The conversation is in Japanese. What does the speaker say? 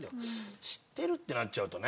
知ってるってなっちゃうとね。